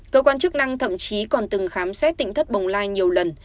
cơ quan chức năng thậm chí còn từng khám xét tỉnh thất bồng lai nhiều lần